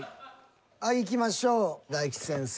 いきましょう大吉先生。